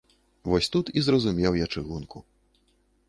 Вось тут і зразумеў я чыгунку.